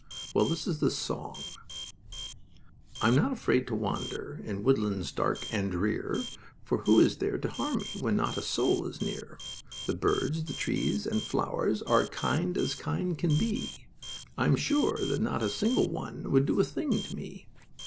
Well, this is the song: "I'm not afraid to wander In woodlands dark and drear, For who is there to harm me When not a soul is near? The birds, the trees and flowers Are kind as kind can be, I'm sure that not a single one Would do a thing to me.